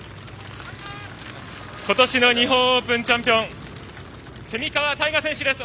今年の日本オープンチャンピオン蝉川泰果選手です。